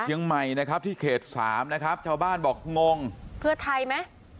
เชียงใหม่นะครับที่เขตสามนะครับชาวบ้านบอกงงเพื่อไทยไหม